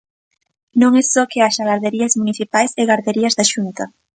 Non é só que haxa garderías municipais e garderías da Xunta.